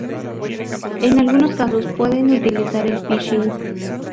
En algunos casos pueden utilizar el phishing.